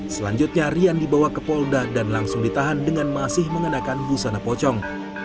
selanjutnya rian dibawa ke polda dan langsung ditahan dengan masih mengenakan busana pocong